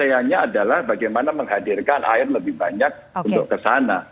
pertanyaannya adalah bagaimana menghadirkan air lebih banyak untuk ke sana